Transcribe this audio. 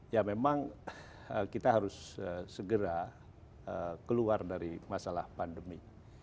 ya memang kita harus segera keluar dari masalah pandemi